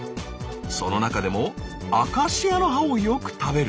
その中でもアカシアの葉をよく食べる。